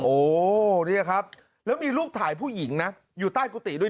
โอ้นี่ครับแล้วมีรูปถ่ายผู้หญิงนะอยู่ใต้กุฏิด้วย